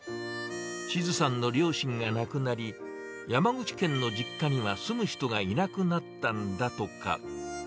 千都さんの両親が亡くなり、山口県の実家には住む人がいなくなったんだとか。